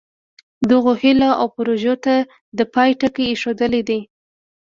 دغو هیلو او پروژو ته د پای ټکی ایښودل دي.